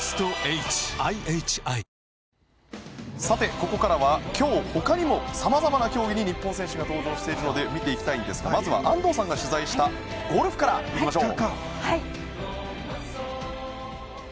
ここからは今日他にもさまざまな競技に日本選手が登場しているので見ていきたいんですがまずは安藤さんが取材したゴルフからいきましょう。